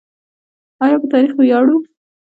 آیا په تاریخ ویاړو؟